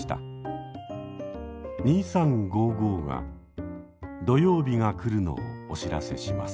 「２３５５」が土曜日が来るのをお知らせします。